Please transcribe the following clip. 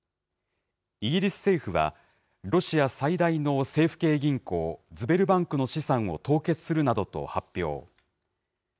イギリス政府は、ロシア最大の政府系銀行、ズベルバンクの資産を凍結するなどと発表。